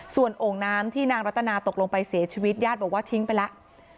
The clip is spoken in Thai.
ส่วนโอ่งน้ำที่นางรัตนาตกลงไปเสียชีวิตญาติบอกว่าทิ้งไปแล้ว